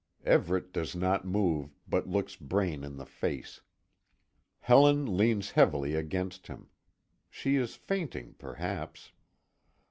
Everet does not move, but looks Braine in the face. Helen leans heavily against him. She is fainting, perhaps.